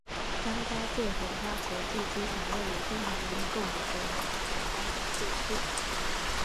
张家界荷花国际机场位于中华人民共和国湖南省张家界市。